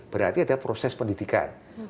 berarti ada proses pendidikan